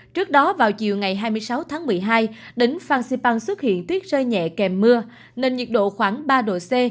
trước đó vào chiều ngày hai mươi sáu một mươi hai đỉnh phan xipan xuất hiện tuyết rơi nhẹ kèm mưa nền nhiệt độ khoảng ba độ c